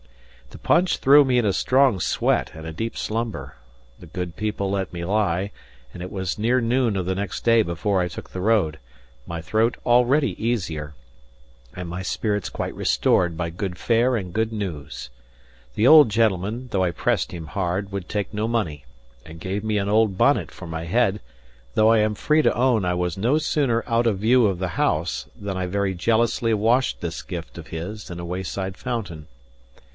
The punch threw me in a strong sweat and a deep slumber; the good people let me lie; and it was near noon of the next day before I took the road, my throat already easier and my spirits quite restored by good fare and good news. The old gentleman, although I pressed him hard, would take no money, and gave me an old bonnet for my head; though I am free to own I was no sooner out of view of the house than I very jealously washed this gift of his in a wayside fountain.